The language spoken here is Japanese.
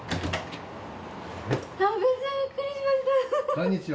こんにちは。